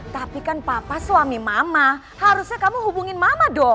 tapi kan papa suami mama harusnya kamu hubungin mama dong